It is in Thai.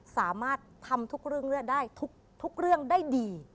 สามารถทำทุกเรื่องได้ทุกเรื่องได้ดี